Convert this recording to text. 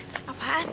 tunggu aku mau pergi